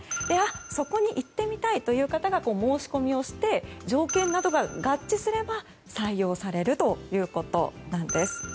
そこに行ってみたいという方が申し込みをして条件などが合致すれば採用されるということなんです。